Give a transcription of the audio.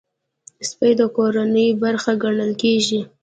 سپي د کورنۍ برخه ګڼل کېږي.